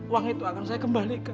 uang itu akan saya kembalikan